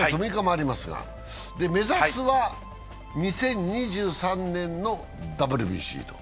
目指すは２０２３年のＷＢＣと。